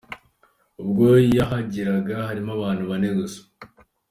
Ubwo yahageraga harimo abantu bane gusa.